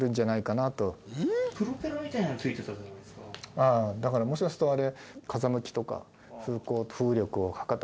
ああだからもしかするとあれ。